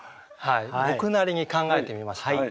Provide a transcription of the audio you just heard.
僕なりに考えてみました。